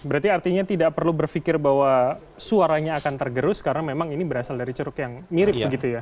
berarti artinya tidak perlu berpikir bahwa suaranya akan tergerus karena memang ini berasal dari ceruk yang mirip begitu ya